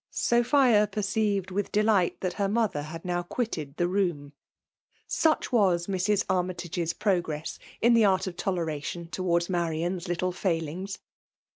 Sophia perceived with delight that hef XQ/pther hadnow quitted the room* Such was MrsiAnnytage's progress in the art of tolerav tion .towards Marian's little failings.